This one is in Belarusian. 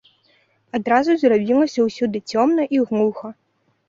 Адразу зрабілася ўсюды цёмна і глуха.